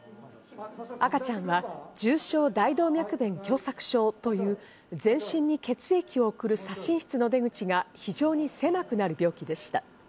赤ちゃんは重症大動脈弁狭窄症という全身に血液を送る左心室の弁が非常に狭くなる病気でした。